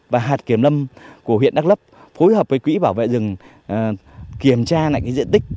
và hạt kiếm lâm của huyện đắc lấp phối hợp với quỹ bảo vệ rừng kiểm tra lại cái diện tích